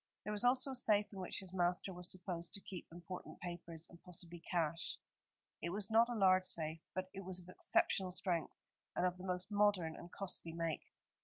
There was also a safe in which his master was supposed to keep important papers, and possibly cash. It was not a large safe, but it was of exceptional strength, and of the most modern and costly make.